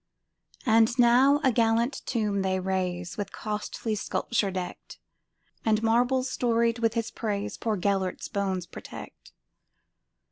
And now a gallant tomb they raise, With costly sculpture decked; And marbles storied with his praisePoor Gêlert's bones protect.